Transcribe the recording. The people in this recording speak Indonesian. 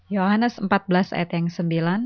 yohanes empat belas ayat yang ke sembilan